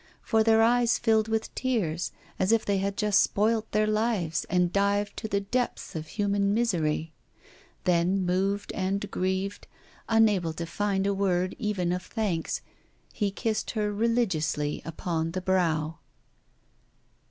For their eyes filled with tears, as if they had just spoilt their lives and dived to the depths of human misery. Then, moved and grieved, unable to find a word, even of thanks, he kissed her religiously upon the brow.